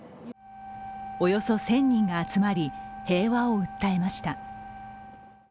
およそ１０００人が集まり平和を訴えました。